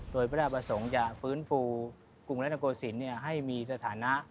โดยพระราชประสงค์จะฟื้นฟูกรุงรัฐนโกศิลป์ให้มีสถานะ